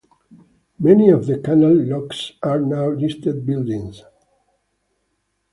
Many of the canal locks are now listed buildings.